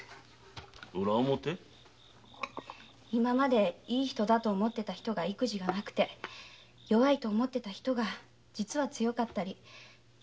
今までいい人だと思っていた人が意気地がなくて弱いと思っていた人が実は強かったり。